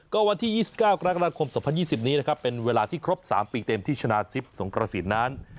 ก็วันที่๒๙กรกฎาคม๒๐๒๐นี้นะครับเป็นเวลาที่ครบ๓ปีเต็มที่ชนะทิพย์สงกระสินนั้น